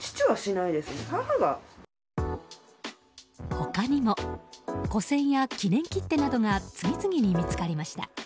他にも、古銭や記念切手などが次々に見つかりました。